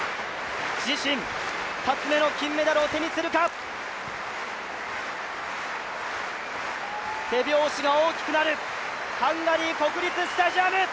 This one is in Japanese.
自身２つ目の金メダルを手にするか手拍子が大きくなるハンガリー国立スタジアム。